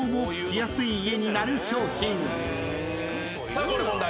さあここで問題。